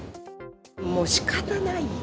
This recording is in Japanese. もうしかたない。